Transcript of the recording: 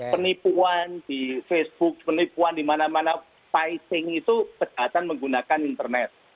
penipuan di facebook penipuan di mana mana fighting itu kejahatan menggunakan internet